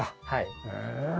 はい。